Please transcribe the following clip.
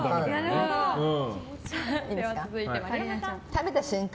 食べた瞬間